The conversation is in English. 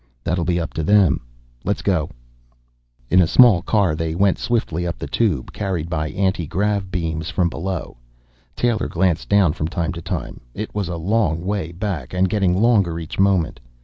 "That'll be up to them. Let's go." In a small car, they went swiftly up the Tube, carried by anti grav beams from below. Taylor glanced down from time to time. It was a long way back, and getting longer each moment.